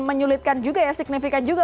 menyulitkan juga ya signifikan juga